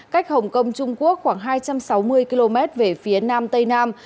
cách hồng kông trung quốc khoảng hai trăm sáu mươi km về phía nam tây nam